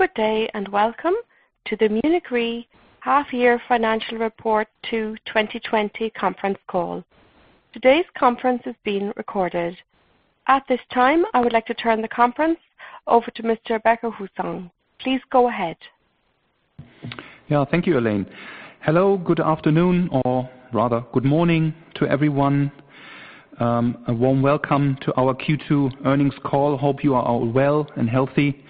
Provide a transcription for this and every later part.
Good day. Welcome to the Munich Re half-year financial report to 2020 conference call. Today's conference is being recorded. At this time, I would like to turn the conference over to Mr. Becker-Hussong. Please go ahead. Yeah. Thank you, Elaine. Hello, good afternoon, or rather, good morning to everyone. A warm welcome to our Q2 earnings call. Hope you are all well and healthy.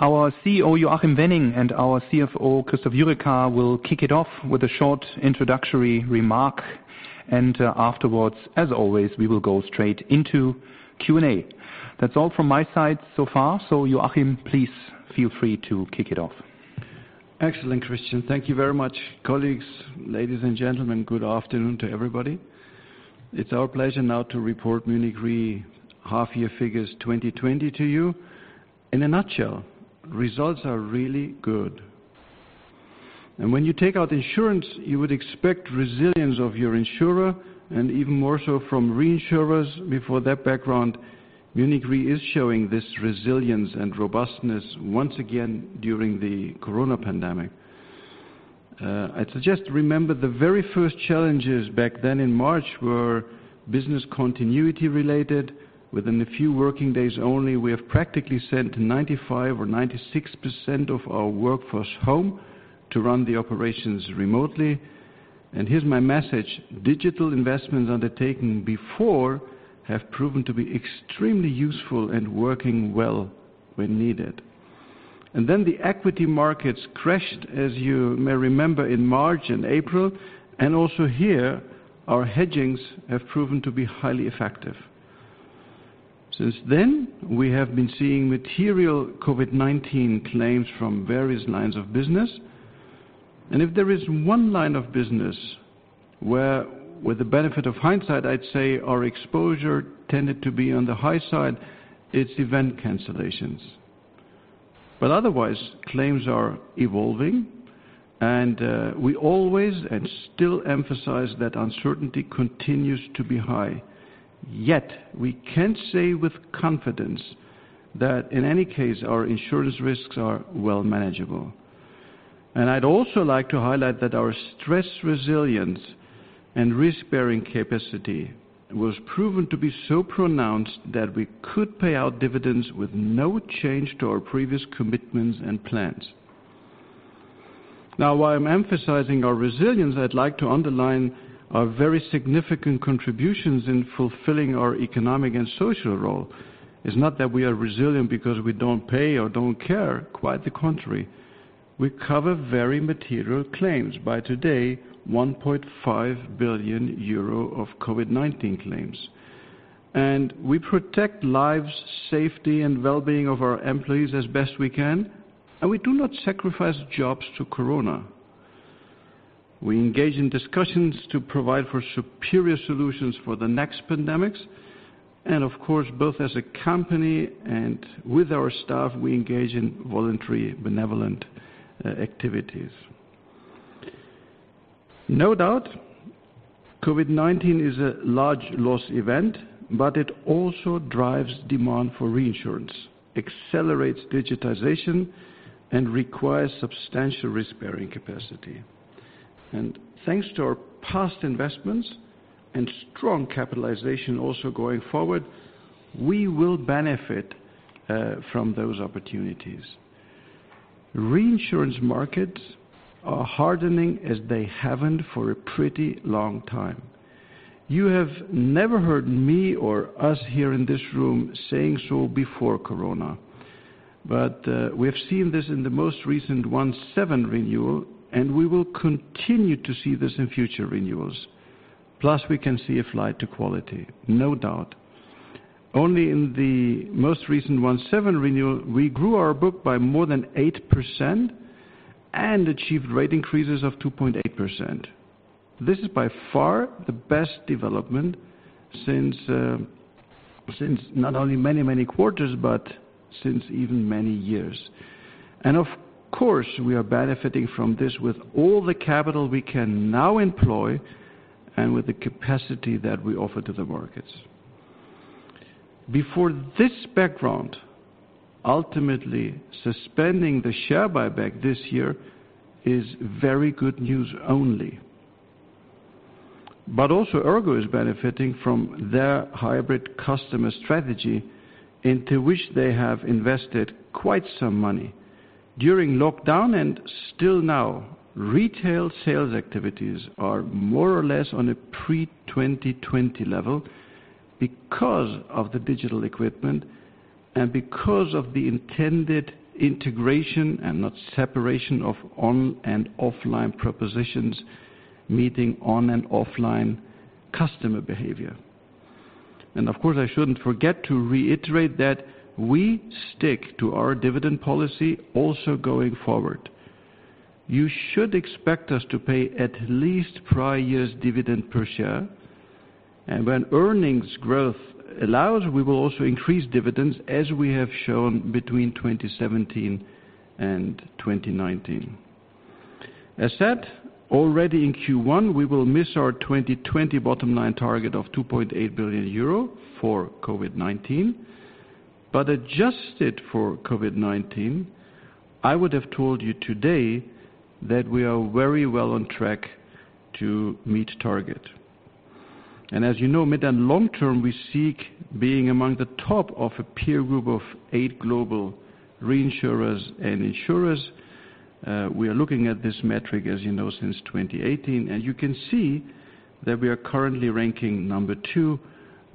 Our CEO, Joachim Wenning, and our CFO, Christoph Jurecka, will kick it off with a short introductory remark. Afterwards, as always, we will go straight into Q&A. That's all from my side so far. Joachim, please feel free to kick it off. Excellent, Christian. Thank you very much. Colleagues, ladies and gentlemen, good afternoon to everybody. It's our pleasure now to report Munich Re half-year figures 2020 to you. In a nutshell, results are really good. When you take out insurance, you would expect resilience of your insurer and even more so from reinsurers. Before that background, Munich Re is showing this resilience and robustness once again during the coronavirus pandemic. I'd suggest remember the very first challenges back then in March were business continuity related. Within a few working days only, we have practically sent 95% or 96% of our workforce home to run the operations remotely. Here's my message: digital investments undertaken before have proven to be extremely useful and working well when needed. The equity markets crashed, as you may remember in March and April. Also here, our hedgings have proven to be highly effective. Since then, we have been seeing material COVID-19 claims from various lines of business. If there is one line of business where with the benefit of hindsight, I'd say our exposure tended to be on the high side, it's event cancellations. Otherwise, claims are evolving and we always and still emphasize that uncertainty continues to be high. We can say with confidence that in any case, our insurance risks are well manageable. I'd also like to highlight that our stress resilience and risk-bearing capacity was proven to be so pronounced that we could pay out dividends with no change to our previous commitments and plans. While I'm emphasizing our resilience, I'd like to underline our very significant contributions in fulfilling our economic and social role. It's not that we are resilient because we don't pay or don't care. Quite the contrary. We cover very material claims. By today, 1.5 billion euro of COVID-19 claims. We protect lives, safety, and well-being of our employees as best we can, and we do not sacrifice jobs to coronavirus. We engage in discussions to provide for superior solutions for the next pandemics. Of course, both as a company and with our staff, we engage in voluntary benevolent activities. No doubt, COVID-19 is a large loss event, but it also drives demand for reinsurance, accelerates digitization, and requires substantial risk-bearing capacity. Thanks to our past investments and strong capitalization also going forward, we will benefit from those opportunities. Reinsurance markets are hardening as they haven't for a pretty long time. You have never heard me or us here in this room saying so before coronavirus. We have seen this in the most recent 1/7 renewal, and we will continue to see this in future renewals. We can see a flight to quality, no doubt. Only in the most recent 1/7 renewal, we grew our book by more than 8% and achieved rate increases of 2.8%. This is by far the best development since not only many, many quarters, but since even many years. Of course, we are benefiting from this with all the capital we can now employ and with the capacity that we offer to the markets. Before this background, ultimately suspending the share buyback this year is very good news only. Also, ERGO is benefiting from their hybrid customer strategy into which they have invested quite some money. During lockdown and still now, retail sales activities are more or less on a pre-2020 level because of the digital equipment and because of the intended integration and not separation of online and offline propositions meeting online and offline customer behavior. Of course, I shouldn't forget to reiterate that we stick to our dividend policy also going forward. You should expect us to pay at least prior year's dividend per share. When earnings growth allows, we will also increase dividends as we have shown between 2017 and 2019. As said, already in Q1, we will miss our 2020 bottom line target of 2.8 billion euro for COVID-19. Adjusted for COVID-19, I would have told you today that we are very well on track to meet target. As you know, mid and long term, we seek being among the top of a peer group of eight global reinsurers and insurers. We are looking at this metric, as you know, since 2018, and you can see that we are currently ranking number 2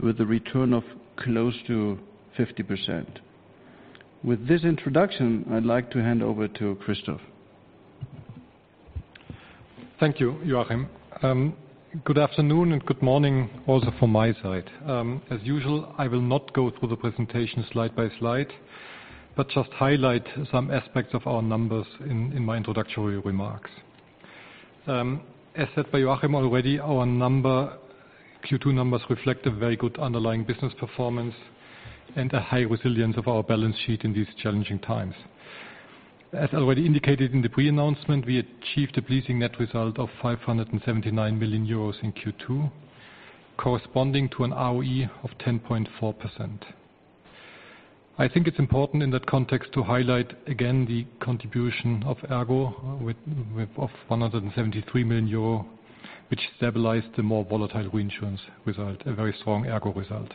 with a return of close to 50%. With this introduction, I'd like to hand over to Christoph. Thank you, Joachim. Good afternoon and good morning also from my side. As usual, I will not go through the presentation slide by slide, but just highlight some aspects of our numbers in my introductory remarks. As said by Joachim already, our Q2 numbers reflect a very good underlying business performance and a high resilience of our balance sheet in these challenging times. As already indicated in the pre-announcement, we achieved a pleasing net result of 579 million euros in Q2, corresponding to an ROE of 10.4%. I think it's important in that context to highlight again the contribution of ERGO of 173 million euro, which stabilized the more volatile reinsurance result, a very strong ERGO result.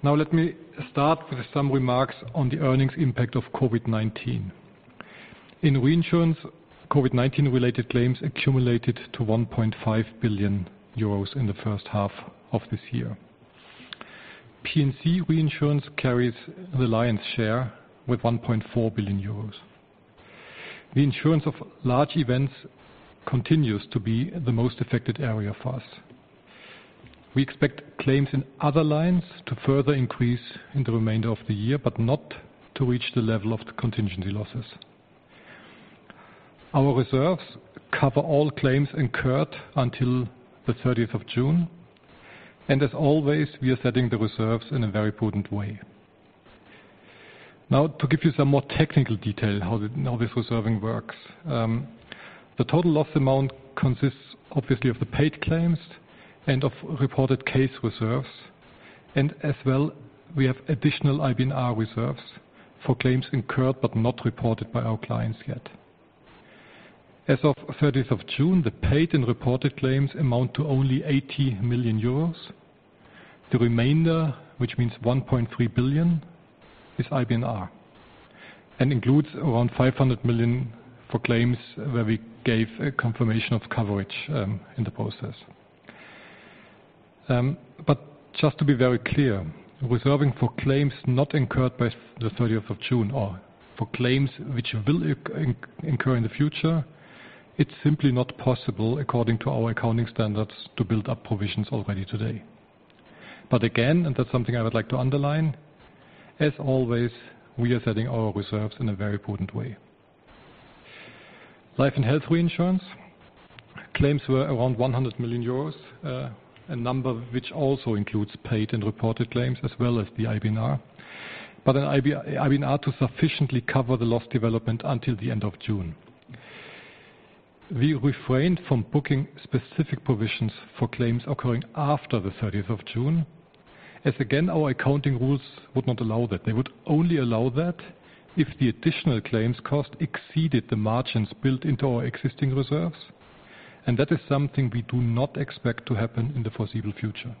Now let me start with some remarks on the earnings impact of COVID-19. In reinsurance, COVID-19-related claims accumulated to 1.5 billion euros in the first half of this year. P&C reinsurance carries the lion's share with 1.4 billion euros. The insurance of large events continues to be the most affected area for us. We expect claims in other lines to further increase in the remainder of the year, but not to reach the level of the contingency losses. Our reserves cover all claims incurred until the 30th of June, and as always, we are setting the reserves in a very prudent way. To give you some more technical detail how this reserving works. The total loss amount consists obviously of the paid claims and of reported case reserves, and as well, we have additional IBNR reserves for claims incurred but not reported by our clients yet. As of 30th of June, the paid and reported claims amount to only 80 million euros. The remainder, which means 1.3 billion, is IBNR, and includes around 500 million for claims where we gave a confirmation of coverage in the process. Just to be very clear, reserving for claims not incurred by the 30th of June or for claims which will incur in the future, it's simply not possible according to our accounting standards to build up provisions already today. Again, and that's something I would like to underline, as always, we are setting our reserves in a very prudent way. Life and health reinsurance. Claims were around 100 million euros, a number which also includes paid and reported claims, as well as the IBNR. An IBNR to sufficiently cover the loss development until the end of June. We refrained from booking specific provisions for claims occurring after the 30th of June, as again, our accounting rules would not allow that. They would only allow that if the additional claims cost exceeded the margins built into our existing reserves. That is something we do not expect to happen in the foreseeable future.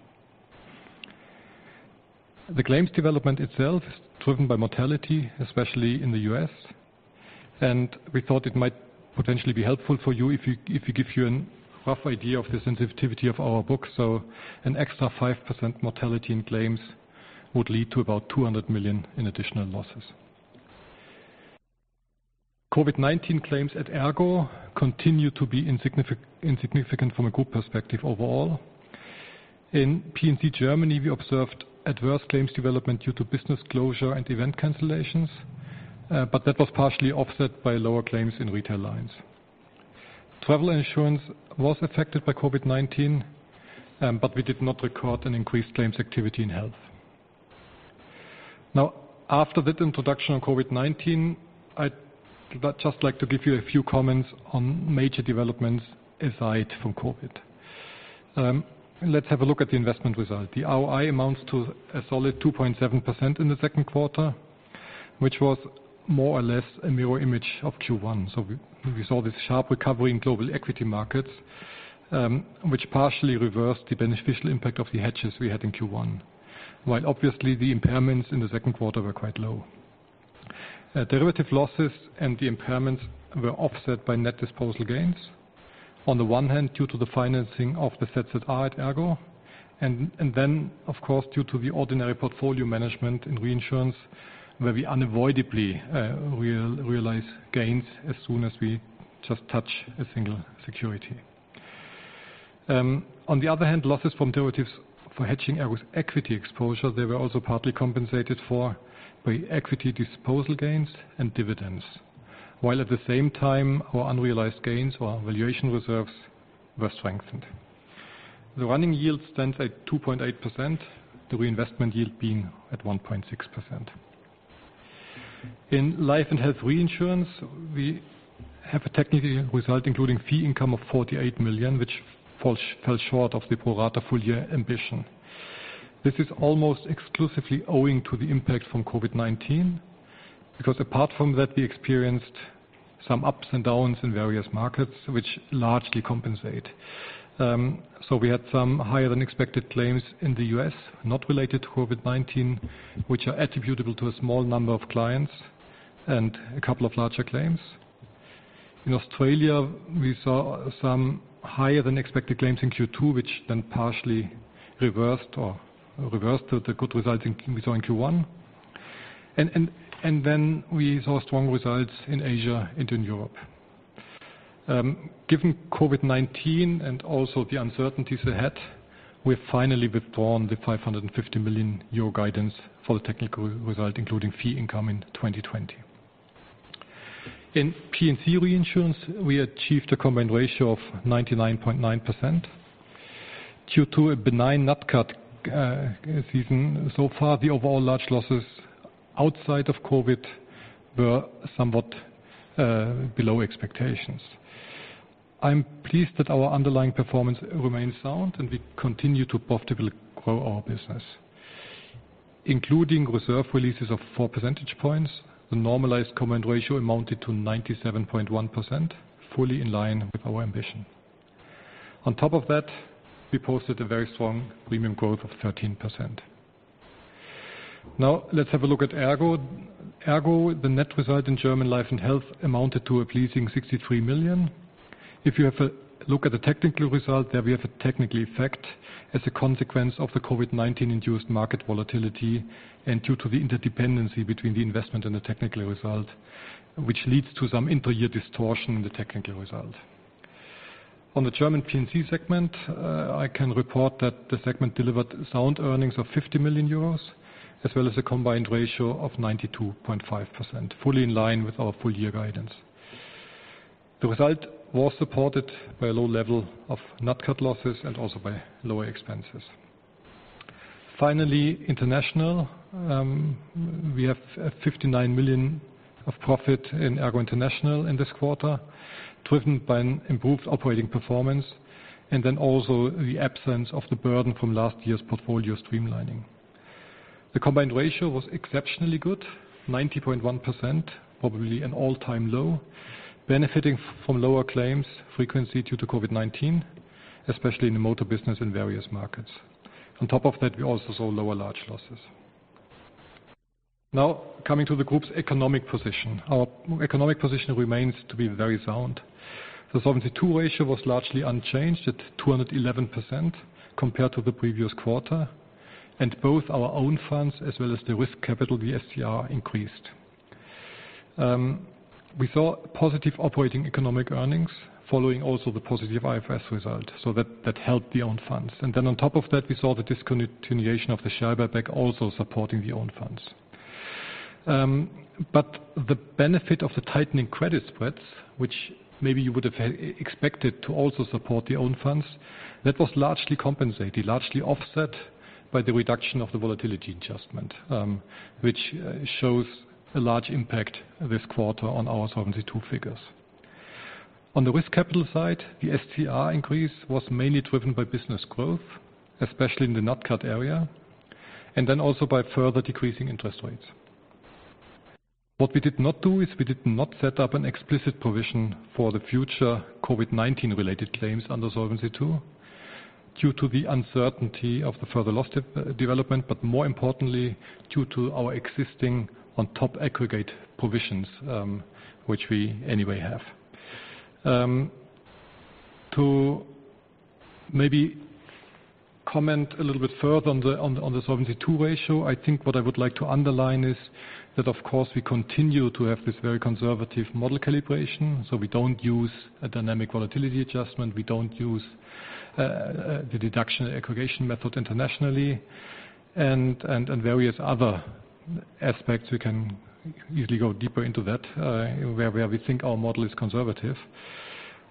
The claims development itself is driven by mortality, especially in the U.S. We thought it might potentially be helpful for you if we give you a rough idea of the sensitivity of our book. An extra 5% mortality in claims would lead to about 200 million in additional losses. COVID-19 claims at ERGO continue to be insignificant from a group perspective overall. In P&C Germany, we observed adverse claims development due to business closure and event cancellations. That was partially offset by lower claims in retail lines. Travel insurance was affected by COVID-19. We did not record an increased claims activity in health. After that introduction on COVID-19, I'd just like to give you a few comments on major developments aside from COVID. Let's have a look at the investment result. The ROI amounts to a solid 2.7% in the second quarter, which was more or less a mirror image of Q1. We saw this sharp recovery in global equity markets, which partially reversed the beneficial impact of the hedges we had in Q1. Obviously the impairments in the second quarter were quite low. Derivative losses and the impairments were offset by net disposal gains. On the one hand, due to the financing of the ZZR at ERGO, and then of course, due to the ordinary portfolio management and reinsurance, where we unavoidably realize gains as soon as we just touch a single security. On the other hand, losses from derivatives for hedging ERGO's equity exposure, they were also partly compensated for by equity disposal gains and dividends. At the same time, our unrealized gains or valuation reserves were strengthened. The running yield stands at 2.8%, the reinvestment yield being at 1.6%. In life and health reinsurance, we have a technical result including fee income of 48 million, which fell short of the pro-rata full year ambition. This is almost exclusively owing to the impact from COVID-19, apart from that, we experienced some ups and downs in various markets, which largely compensate. We had some higher than expected claims in the U.S., not related to COVID-19, which are attributable to a small number of clients and a couple of larger claims. In Australia, we saw some higher than expected claims in Q2, which then partially reversed or reversed the good results we saw in Q1. We saw strong results in Asia and in Europe. Given COVID-19 and also the uncertainties ahead, we finally withdrawn the 550 million euro guidance for the technical result, including fee income in 2020. In P&C reinsurance, we achieved a combined ratio of 99.9%. Q2 a benign nat cat season. The overall large losses outside of COVID were somewhat below expectations. I'm pleased that our underlying performance remains sound, and we continue to profitably grow our business. Including reserve releases of four percentage points, the normalized combined ratio amounted to 97.1%, fully in line with our ambition. On top of that, we posted a very strong premium growth of 13%. Let's have a look at ERGO. ERGO, the net result in German life and health amounted to a pleasing 63 million. If you have a look at the technical result there, we have a technical effect as a consequence of the COVID-19-induced market volatility and due to the interdependency between the investment and the technical result, which leads to some inter-year distortion in the technical result. On the German P&C segment, I can report that the segment delivered sound earnings of 50 million euros as well as a combined ratio of 92.5%, fully in line with our full year guidance. The result was supported by a low level of nat cat losses and also by lower expenses. Finally, international. We have a 59 million of profit in ERGO International in this quarter, driven by an improved operating performance and also the absence of the burden from last year's portfolio streamlining. The combined ratio was exceptionally good, 90.1%, probably an all-time low, benefiting from lower claims frequency due to COVID-19, especially in the motor business in various markets. On top of that, we also saw lower large losses. Coming to the group's economic position. Our economic position remains to be very sound. The Solvency II ratio was largely unchanged at 211% compared to the previous quarter, and both our own funds as well as the risk capital, the SCR, increased. We saw positive operating economic earnings following also the positive IFRS result. That helped the own funds. On top of that, we saw the discontinuation of the share buyback also supporting the own funds. The benefit of the tightening credit spreads, which maybe you would have expected to also support the own funds, that was largely compensated, largely offset by the reduction of the volatility adjustment, which shows a large impact this quarter on our Solvency II figures. On the risk capital side, the SCR increase was mainly driven by business growth, especially in the nat cat area, and then also by further decreasing interest rates. What we did not do is we did not set up an explicit provision for the future COVID-19 related claims under Solvency II due to the uncertainty of the further loss development, but more importantly, due to our existing on top aggregate provisions, which we anyway have. To maybe comment a little bit further on the Solvency II ratio, I think what I would like to underline is that, of course, we continue to have this very conservative model calibration. We don't use a dynamic volatility adjustment. We don't use the deduction and aggregation method internationally and various other aspects. We can usually go deeper into that, where we think our model is conservative.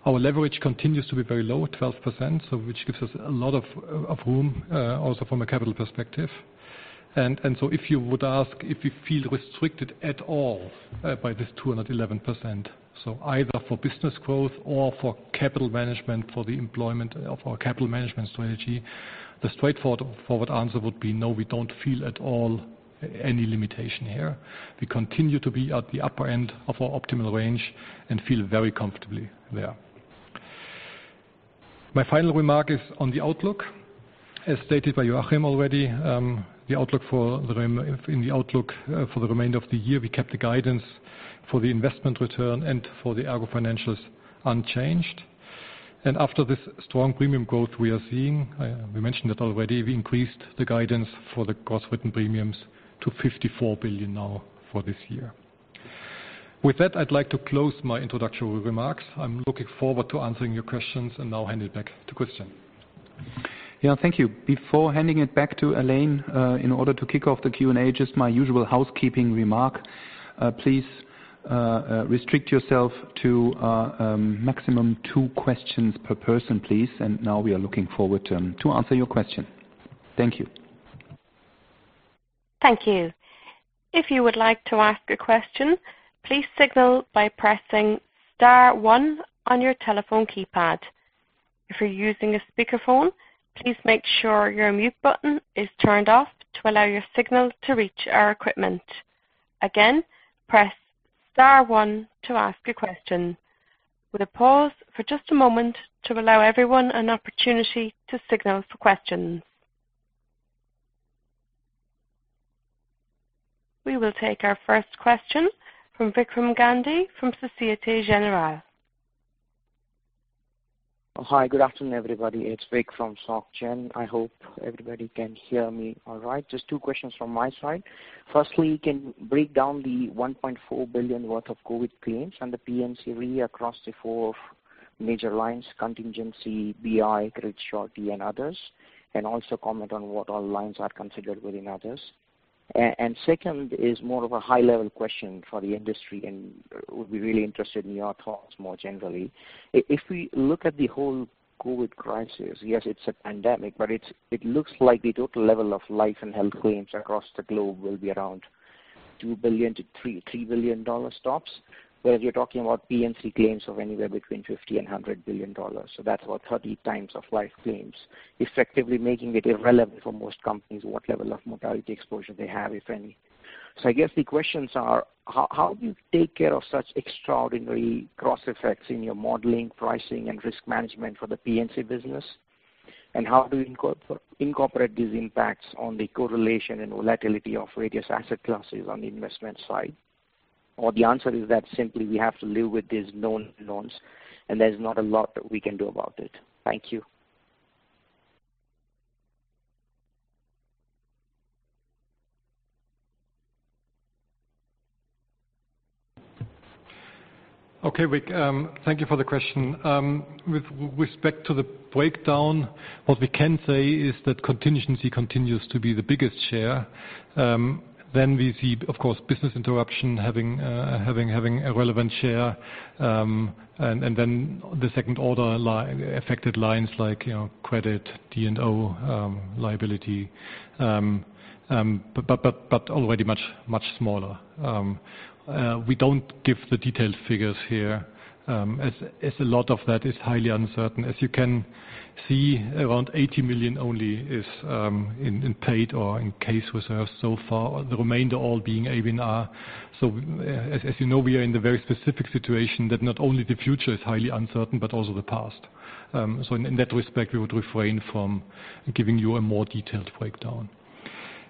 Our leverage continues to be very low at 12%, so which gives us a lot of room, also from a capital perspective. If you would ask if you feel restricted at all by this 211%, so either for business growth or for capital management for the employment of our capital management strategy, the straightforward answer would be, no, we don't feel at all any limitation here. We continue to be at the upper end of our optimal range and feel very comfortably there. My final remark is on the outlook. As stated by Joachim already, in the outlook for the remainder of the year, we kept the guidance for the investment return and for the ERGO financials unchanged. After this strong premium growth we are seeing, we mentioned it already, we increased the guidance for the gross written premiums to 54 billion now for this year. With that, I'd like to close my introductory remarks. I'm looking forward to answering your questions and now hand it back to Christian. Yeah, thank you. Before handing it back to Elaine, in order to kick off the Q&A, just my usual housekeeping remark. Please restrict yourself to a maximum two questions per person, please. Now we are looking forward to answer your question. Thank you. Thank you. If you would like to ask a question, please signal by pressing star one on your telephone keypad. If you're using a speakerphone, please make sure your mute button is turned off to allow your signal to reach our equipment. Again, press star one to ask a question. We will pause for just a moment to allow everyone an opportunity to signal for questions. We will take our first question from Vikram Gandhi from Societe Generale. Hi, good afternoon, everybody. It's Vik from SocGen. I hope everybody can hear me all right. Just two questions from my side. First, can you break down the 1.4 billion worth of COVID claims in the P&C Re across the four major lines, contingency, BI, credit, surety, and others, and also comment on what all lines are considered within others? Second is more of a high-level question for the industry and would be really interested in your thoughts more generally. If we look at the whole COVID crisis, yes, it's a pandemic, but it looks like the total level of life and health claims across the globe will be around $2 billion-$3 billion tops. Whereas you're talking about P&C claims of anywhere between $50 billion-$100 billion. That's about 30 times of life claims, effectively making it irrelevant for most companies, what level of mortality exposure they have, if any. I guess the questions are, how do you take care of such extraordinary cross effects in your modeling, pricing, and risk management for the P&C business? How do you incorporate these impacts on the correlation and volatility of various asset classes on the investment side? The answer is that simply we have to live with these known unknowns, and there's not a lot that we can do about it. Thank you. Okay, Vik, thank you for the question. With respect to the breakdown, what we can say is that contingency continues to be the biggest share. We see, of course, business interruption having a relevant share, and then the second order affected lines like credit, D&O liability, but already much smaller. We don't give the detailed figures here, as a lot of that is highly uncertain. As you can see, around 80 million only is in paid or in case reserves so far, the remainder all being IBNR. As you know, we are in the very specific situation that not only the future is highly uncertain but also the past. In that respect, we would refrain from giving you a more detailed breakdown.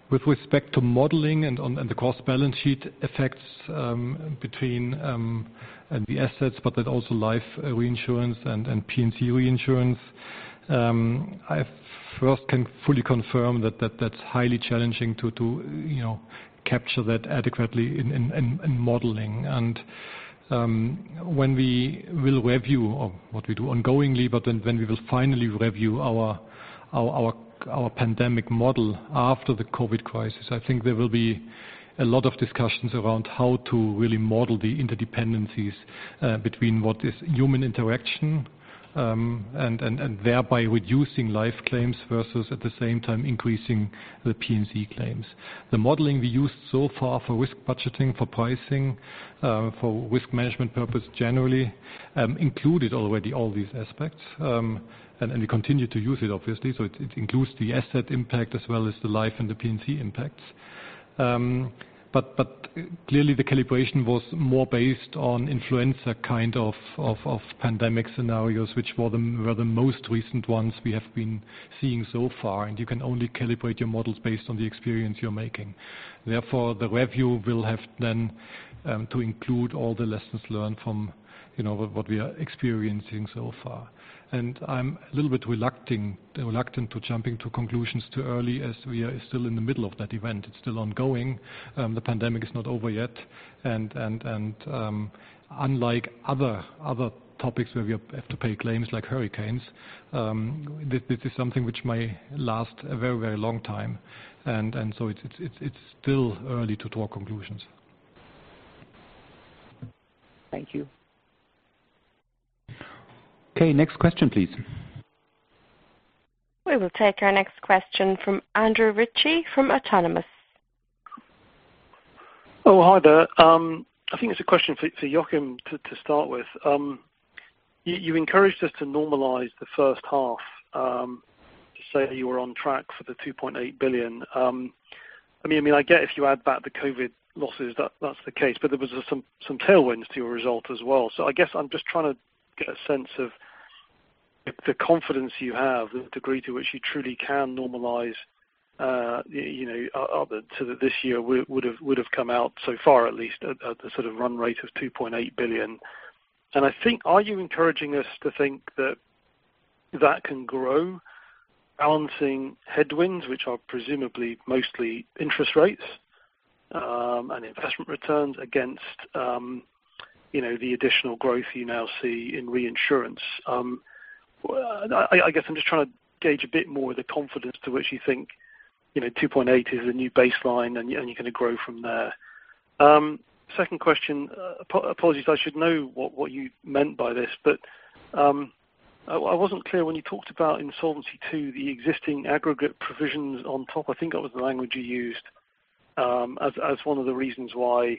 With respect to modeling and the cost balance sheet effects between the assets, but then also life reinsurance and P&C reinsurance, I first can fully confirm that that's highly challenging to capture that adequately in modeling. When we will review, what we do ongoingly, when we will finally review our pandemic model after the COVID crisis, I think there will be a lot of discussions around how to really model the interdependencies between what is human interaction, and thereby reducing life claims versus at the same time increasing the P&C claims. The modeling we used so far for risk budgeting, for pricing, for risk management purpose generally, included already all these aspects. We continue to use it, obviously. It includes the asset impact as well as the life and the P&C impacts. Clearly, the calibration was more based on influenza kind of pandemic scenarios, which were the most recent ones we have been seeing so far, and you can only calibrate your models based on the experience you're making. Therefore, the review will have then to include all the lessons learned from what we are experiencing so far. I'm a little bit reluctant to jumping to conclusions too early as we are still in the middle of that event. It's still ongoing. The pandemic is not over yet. Unlike other topics where we have to pay claims like hurricanes, this is something which may last a very, very long time. It's still early to draw conclusions. Thank you. Okay. Next question, please. We will take our next question from Andrew Ritchie from Autonomous. Oh, hi there. I think it's a question for Joachim to start with. You encouraged us to normalize the first half, to say that you were on track for the 2.8 billion. There was some tailwinds to your result as well. I guess I'm just trying to get a sense of the confidence you have, the degree to which you truly can normalize, other to this year, would have come out so far, at least, at the sort of run rate of 2.8 billion. I think, are you encouraging us to think that can grow, balancing headwinds, which are presumably mostly interest rates, and investment returns against the additional growth you now see in reinsurance? I guess I'm just trying to gauge a bit more the confidence to which you think 2.8 billion is the new baseline, and you're going to grow from there. Second question. Apologies, I should know what you meant by this, but I wasn't clear when you talked about in Solvency II, the existing aggregate provisions on top, I think that was the language you used, as one of the reasons why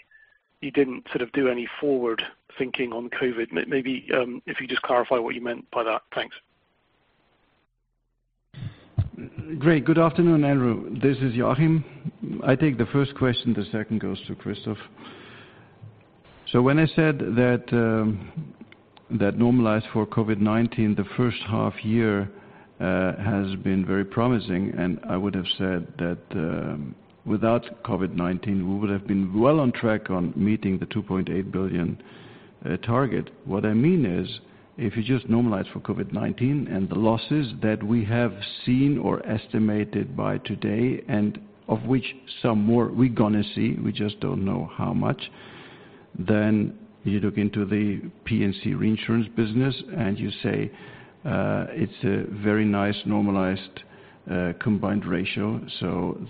you didn't do any forward thinking on COVID. Maybe if you just clarify what you meant by that. Thanks. Great. Good afternoon, Andrew. This is Joachim. I take the first question, the second goes to Christoph. When I said that normalized for COVID-19, the first half year has been very promising, and I would have said that without COVID-19, we would have been well on track on meeting the 2.8 billion target. What I mean is, if you just normalize for COVID-19 and the losses that we have seen or estimated by today, and of which some more we're going to see, we just don't know how much. You look into the P&C reinsurance business and you say, it's a very nice normalized combined ratio,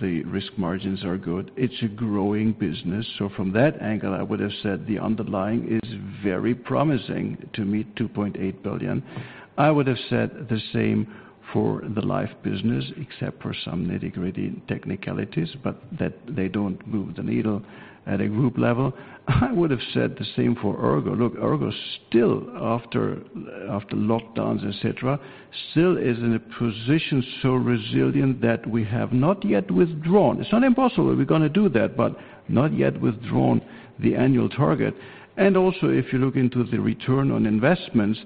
the risk margins are good. It's a growing business. From that angle, I would have said the underlying is very promising to meet 2.8 billion. I would have said the same for the life business, except for some nitty-gritty technicalities, but that they don't move the needle at a group level. I would have said the same for ERGO. Look, ERGO, still after lockdowns, et cetera, still is in a position so resilient that we have not yet withdrawn. It's not impossible. We're going to do that, but not yet withdrawn the annual target. If you look into the return on investments,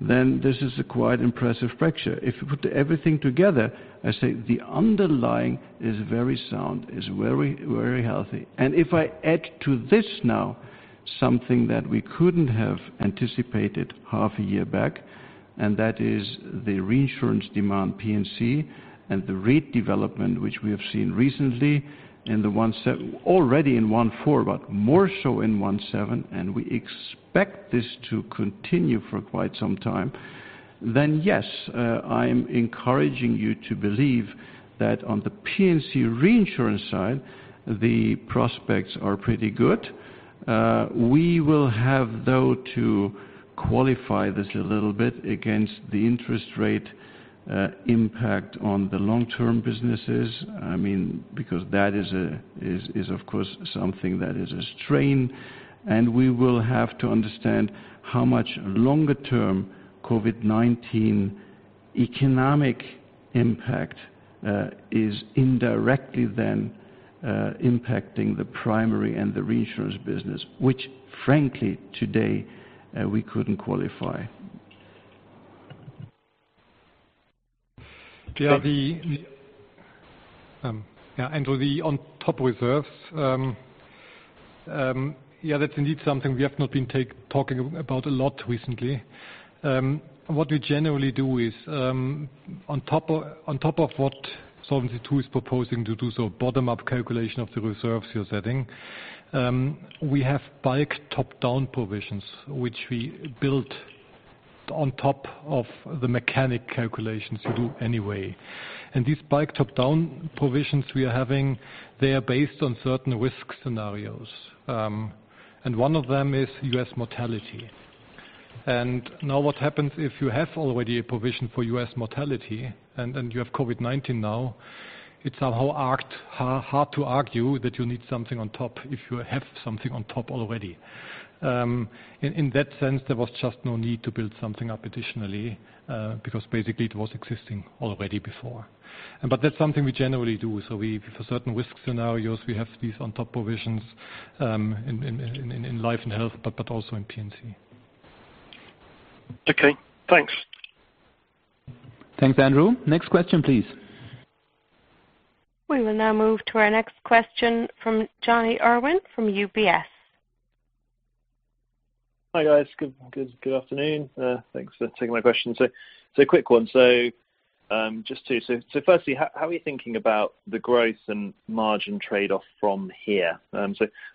this is a quite impressive picture. If you put everything together, I say the underlying is very sound, is very healthy. If I add to this now, something that we couldn't have anticipated half a year back, that is the reinsurance demand P&C and the rate development which we have seen recently already in 1/4, but more so in 1/7, and we expect this to continue for quite some time. Yes, I am encouraging you to believe that on the P&C reinsurance side, the prospects are pretty good. We will have, though, to qualify this a little bit against the interest rate impact on the long-term businesses. That is, of course, something that is a strain, and we will have to understand how much longer term COVID-19 economic impact is indirectly then impacting the primary and the reinsurance business, which frankly, today, we couldn't qualify. Andrew, the on top reserves. That's indeed something we have not been talking about a lot recently. What we generally do is, on top of what Solvency II is proposing to do, so bottom-up calculation of the reserves you're setting. We have by top-down provisions, which we built on top of the mechanistic calculations you do anyway. These by top-down provisions we are having, they are based on certain risk scenarios. One of them is U.S. mortality. Now what happens if you have already a provision for U.S. mortality and you have COVID-19 now, it's somehow hard to argue that you need something on top if you have something on top already. In that sense, there was just no need to build something up additionally, because basically, it was existing already before. That's something we generally do. For certain risk scenarios, we have these top-down provisions in life and health, but also in P&C. Okay, thanks. Thanks, Andrew. Next question, please. We will now move to our next question from Jonny Urwin from UBS. Hi, guys. Good afternoon. Thanks for taking my question. A quick one. Firstly, how are you thinking about the growth and margin trade-off from here?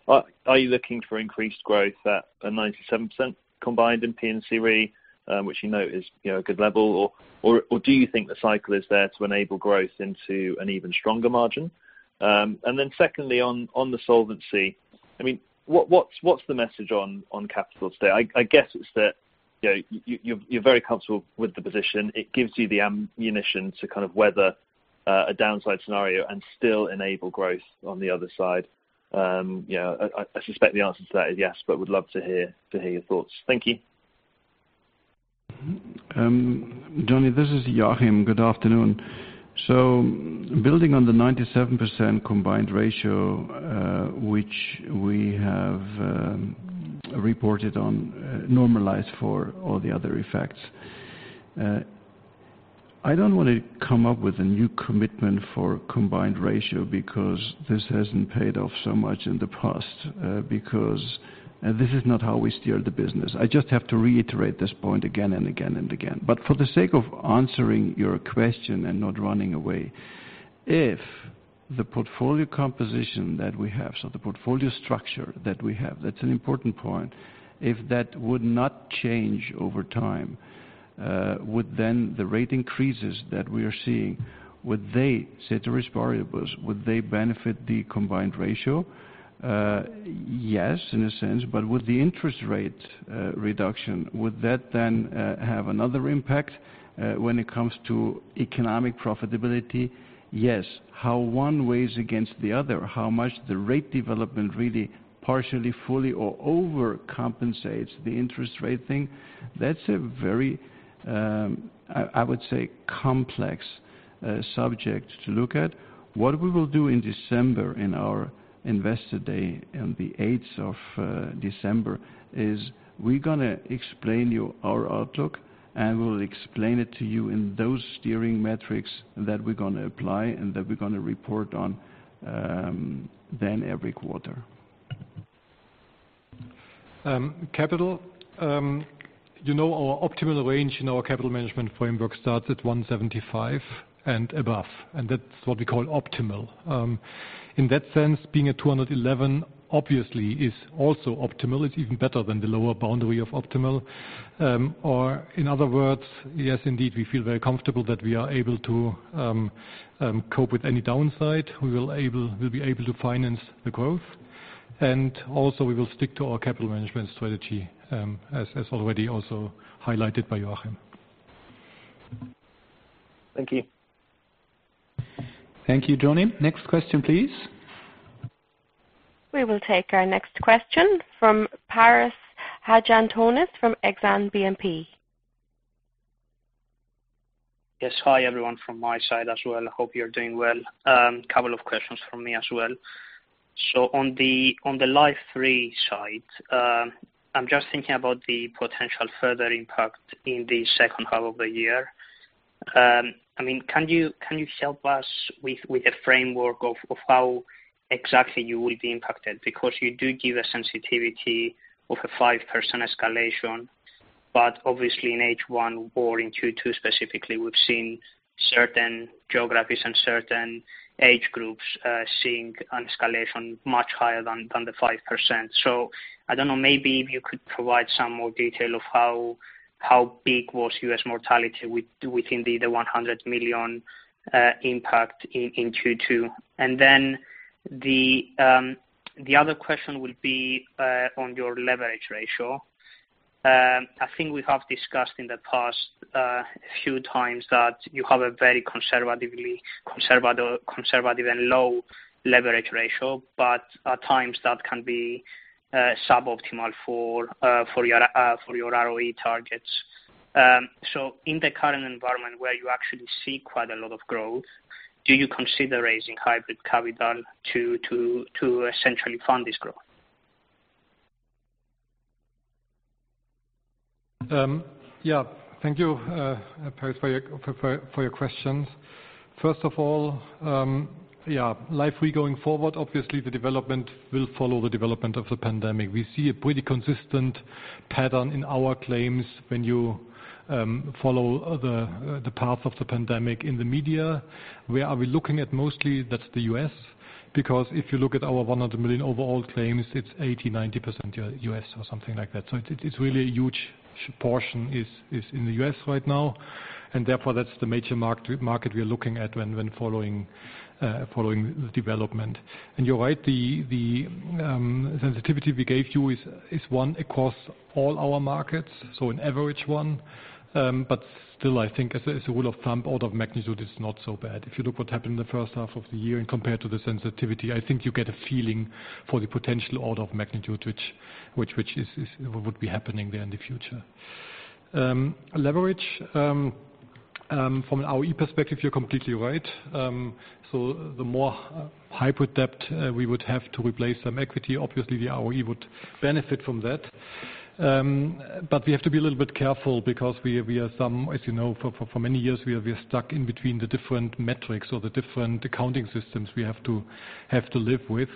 Are you looking for increased growth at a 97% combined in P&C Re, which you know is a good level, or do you think the cycle is there to enable growth into an even stronger margin? Secondly, on the solvency, what's the message on capital today? I guess it's that you're very comfortable with the position. It gives you the ammunition to weather a downside scenario and still enable growth on the other side. I suspect the answer to that is yes, but would love to hear your thoughts. Thank you. Jonny, this is Joachim. Good afternoon. Building on the 97% combined ratio, which we have reported on normalized for all the other effects. I don't want to come up with a new commitment for combined ratio because this hasn't paid off so much in the past, because this is not how we steer the business. I just have to reiterate this point again and again and again. For the sake of answering your question and not running away, if the portfolio composition that we have, so the portfolio structure that we have, that's an important point. If that would not change over time, would then the rate increases that we are seeing, would they, ceteris paribus, would they benefit the combined ratio? Yes, in a sense. Would the interest rate reduction, would that then have another impact when it comes to economic profitability? Yes. How one weighs against the other, how much the rate development really partially, fully, or overcompensates the interest rate thing, that's a very, I would say, complex subject to look at. What we will do in December, in our investor day on the 8th of December, is we're going to explain you our outlook, and we'll explain it to you in those steering metrics that we're going to apply and that we're going to report on then every quarter. Capital. You know our optimal range in our capital management framework starts at 175% and above, and that's what we call optimal. In that sense, being at 211% obviously is also optimal. It's even better than the lower boundary of optimal. In other words, yes, indeed, we feel very comfortable that we are able to cope with any downside. We'll be able to finance the growth, and also we will stick to our capital management strategy, as already also highlighted by Joachim. Thank you. Thank you, Jonny. Next question, please. We will take our next question from Paris Hadjiantonis from Exane BNP. Yes. Hi, everyone, from my side as well. Hope you're doing well. Couple of questions from me as well. On the life Re side, I'm just thinking about the potential further impact in the second half of the year. Can you help us with a framework of how exactly you will be impacted? You do give a sensitivity of a 5% escalation, but obviously in H1 or in Q2 specifically, we've seen certain geographies and certain age groups seeing an escalation much higher than the 5%. I don't know, maybe if you could provide some more detail of how big was U.S. mortality within the 100 million impact in Q2. The other question would be on your leverage ratio. I think we have discussed in the past few times that you have a very conservative and low leverage ratio, but at times that can be suboptimal for your ROE targets. In the current environment where you actually see quite a lot of growth, do you consider raising hybrid capital to essentially fund this growth? Thank you, Paris, for your questions. Life Re going forward, obviously the development will follow the development of the pandemic. We see a pretty consistent pattern in our claims when you follow the path of the pandemic in the media. Where are we looking at mostly? That's the U.S., because if you look at our 100 million overall claims, it's 80%-90% U.S. or something like that. It is really a huge portion is in the U.S. right now. That's the major market we are looking at when following the development. You're right, the sensitivity we gave you is one across all our markets, so an average one. Still, I think as a rule of thumb, order of magnitude is not so bad. If you look what happened in the first half of the year and compare to the sensitivity, I think you get a feeling for the potential order of magnitude, which would be happening there in the future. Leverage. From an ROE perspective, you're completely right. The more hybrid debt we would have to replace some equity, obviously the ROE would benefit from that. We have to be a little bit careful because we are, as you know, for many years, we are stuck in between the different metrics or the different accounting systems we have to live with.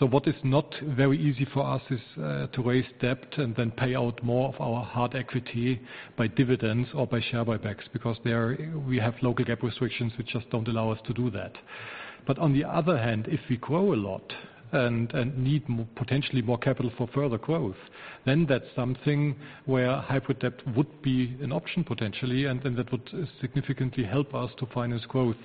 What is not very easy for us is to raise debt and then pay out more of our hard equity by dividends or by share buybacks, because we have local GAAP restrictions, which just don't allow us to do that. On the other hand, if we grow a lot and need potentially more capital for further growth, then that's something where hybrid debt would be an option, potentially, and then that would significantly help us to finance growth,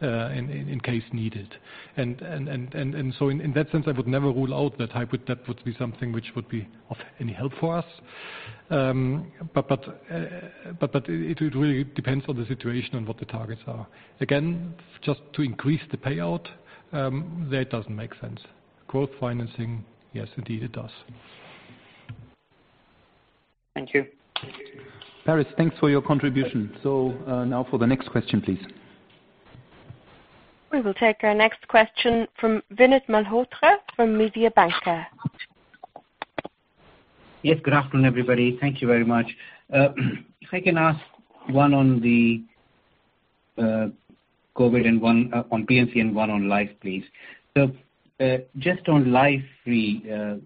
in case needed. In that sense, I would never rule out that hybrid debt would be something which would be of any help for us. It would really depends on the situation and what the targets are. Again, just to increase the payout, that doesn't make sense. Growth financing, yes, indeed, it does. Thank you. Thank you. Paris, thanks for your contribution. Now for the next question, please. We will take our next question from Vinit Malhotra from Mediobanca. Yes. Good afternoon, everybody. Thank you very much. If I can ask one on the COVID and one on P&C and one on life, please. Just on life Re,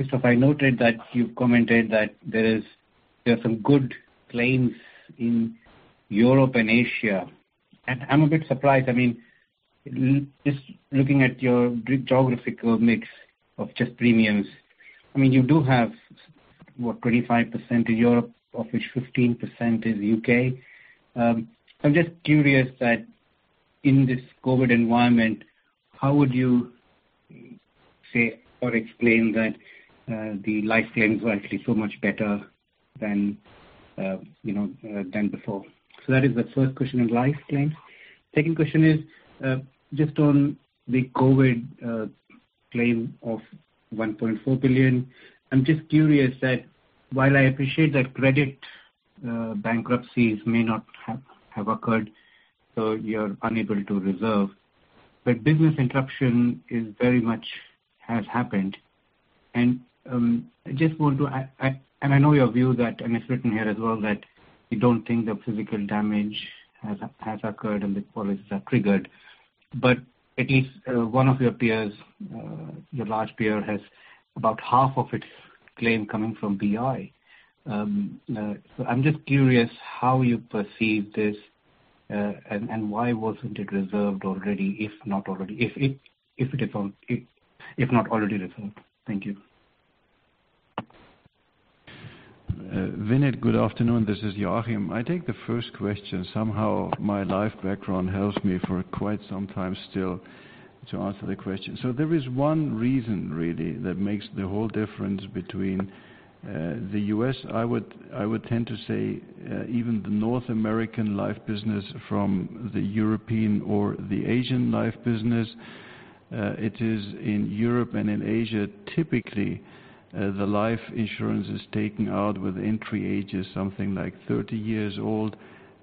Christoph, I noted that you commented that there are some good claims in Europe and Asia, and I'm a bit surprised. Just looking at your geographic mix of just premiums, you do have what, 25% in Europe, of which 15% is U.K. I'm just curious that in this COVID environment, how would you say or explain that the life claims were actually so much better than before? That is the first question on life claims. Second question is, just on the COVID claim of 1.4 billion. I'm just curious that while I appreciate that credit bankruptcies may not have occurred, so you're unable to reserve. Business interruption very much has happened. I know your view, and it's written here as well, that you don't think the physical damage has occurred and the policies are triggered. At least one of your peers, your large peer, has about half of its claim coming from BI. I'm just curious how you perceive this, and why wasn't it reserved already, if not already reserved. Thank you. Vinit, good afternoon. This is Joachim. I take the first question. Somehow my life background helps me for quite some time still to answer the question. There is one reason really that makes the whole difference between the U.S., I would tend to say, even the North American life business from the European or the Asian life business. It is in Europe and in Asia, typically, the life insurance is taken out with entry age as something like 30 years old,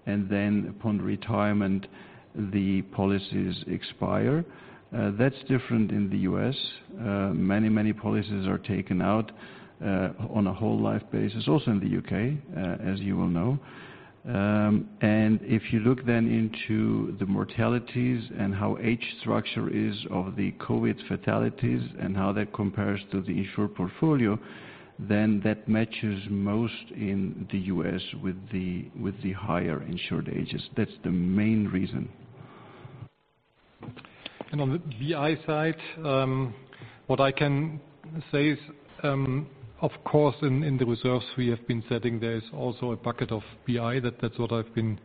and then upon retirement, the policies expire. That's different in the U.S. Many, many policies are taken out on a whole life basis, also in the U.K., as you well know. If you look then into the mortalities and how age structure is of the COVID fatalities and how that compares to the insurer portfolio, then that matches most in the U.S. with the higher insured ages. That's the main reason. On the BI side, what I can say is, of course, in the reserves we have been setting, there is also a bucket of BI. That's what I've been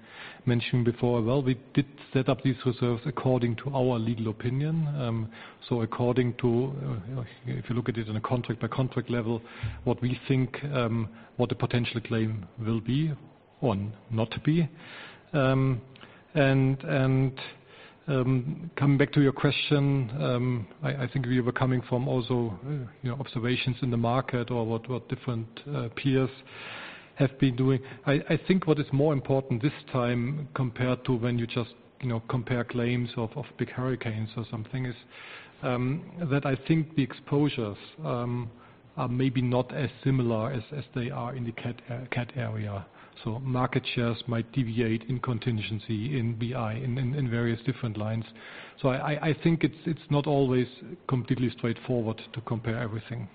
mentioning before. Well, we did set up these reserves according to our legal opinion. According to, if you look at it on a contract-by-contract level, what we think the potential claim will be or not be. Coming back to your question, I think we were coming from also observations in the market or what different peers have been doing. I think what is more important this time, compared to when you just compare claims of big hurricanes or something, is that I think the exposures are maybe not as similar as they are in the cat area. Market shares might deviate in contingency in BI, in various different lines. I think it's not always completely straightforward to compare everything.